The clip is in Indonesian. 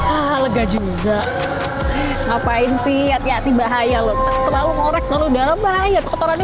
ah lega juga ngapain sih hati hati bahaya loh terlalu ngorek terlalu dalam bahaya kotorannya